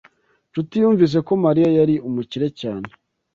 Nshuti yumvise ko Mariya yari umukire cyane.